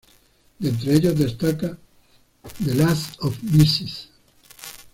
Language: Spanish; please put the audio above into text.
De entre ellas destaca "The Last of Mrs.